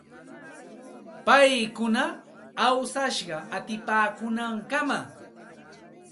Paykuna awsashqa utipaakuunankamam.